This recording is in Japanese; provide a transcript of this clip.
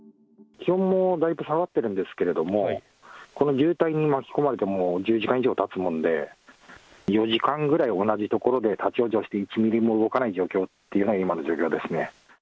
気温もだいぶ下がってるんですけれども、この渋滞に巻き込まれてもう１０時間以上たつもんで、４時間ぐらい同じ所で立往生して、１ミリも動かない状況っていうのが、今の状況ですね。